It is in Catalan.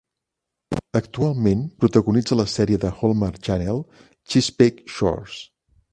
Actualment protagonitza la sèrie del Hallmark Channel "Chesapeake Shores".